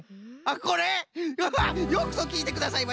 うわっよくぞきいてくださいました。